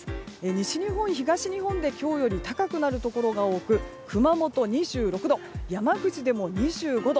西日本、東日本で今日より高くなるところが多く熊本、２６度山口でも２５度。